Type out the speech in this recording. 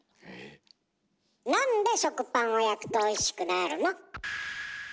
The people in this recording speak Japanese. なんで食パンを焼くとおいしくなるの？